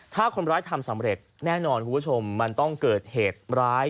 ถ้าคนร้ายทำสำเร็จแน่นอนคุณผู้ชมมันต้องเกิดเหตุร้าย